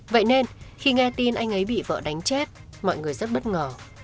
vậy nên khi nghe tin anh ấy bị vợ đánh chết mọi người rất bất ngờ